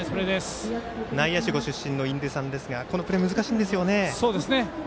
内野手ご出身の印出さんですがこのプレー難しいんですよね。